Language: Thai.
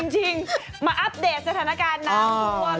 จริงมาอัปเดตสถานการณ์น้ำท่วม